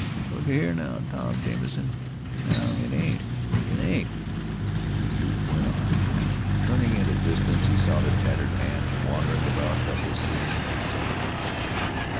"Look a here, now, Tom Jamison now it ain't " The youth went on. Turning at a distance he saw the tattered man wandering about helplessly in the field.